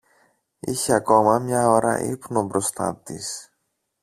Είχε ακόμα μια ώρα ύπνο μπροστά της